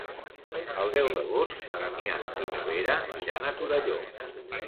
El deu d'agost na Damià i na Vera iran a Torelló.